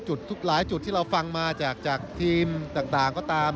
ทุกหลายจุดที่เราฟังมาจากทีมต่างก็ตาม